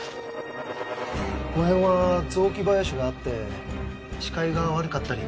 この辺は雑木林があって視界が悪かったり